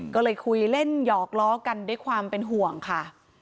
ก็เลยคุยเล่นหยอกล้อกันด้วยความเป็นห่วงค่ะ